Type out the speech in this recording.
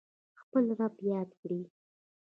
خپل رب یاد کړئ